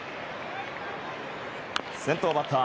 先頭バッター！